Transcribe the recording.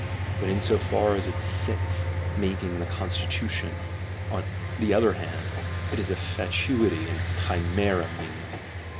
But in so far as it sits making the Constitution, on the other hand, it is a fatuity and chimera mainly.